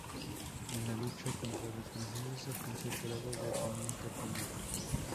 En la lucha contra los franceses alcanzó el grado de teniente primero.